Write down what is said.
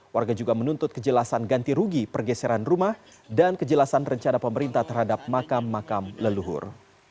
warga juga menuntut kejelasan ganti rugi pergeseran rumah dan kejelasan rencana pemerintah terhadap makam makam leluhur